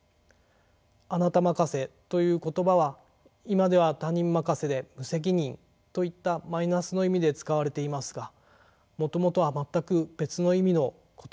「あなた任せ」という言葉は今では他人任せで無責任といったマイナスの意味で使われていますがもともとは全く別の意味の言葉です。